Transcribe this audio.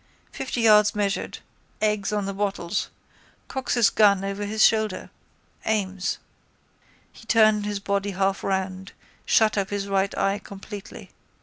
Fifty yards measured. Eggs on the bottles. Cocks his gun over his shoulder. Aims. He turned his body half round, shut up his right eye completely.